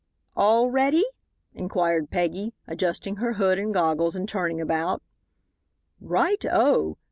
"All ready?" inquired Peggy, adjusting her hood and goggles and turning about. "Right Oh!"